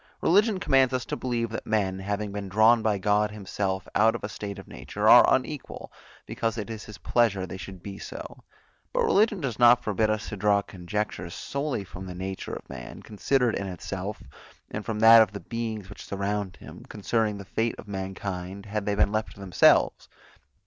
Religion commands us to believe, that men, having been drawn by God himself out of a state of nature, are unequal, because it is his pleasure they should be so; but religion does not forbid us to draw conjectures solely from the nature of man, considered in itself, and from that of the beings which surround him, concerning the fate of mankind, had they been left to themselves.